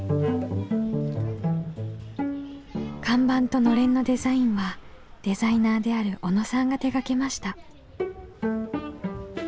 看板とのれんのデザインはデザイナーである小野さんが手がけました。